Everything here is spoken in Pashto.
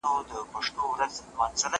زه له سهاره اوبه څښم؟